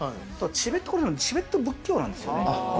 チベットはチベット仏教なんですよ。